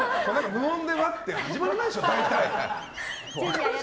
無音で始まらないでしょ、大体。